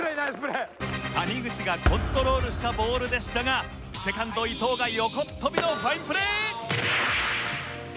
谷口がコントロールしたボールでしたがセカンド伊藤が横っ跳びのファインプレー！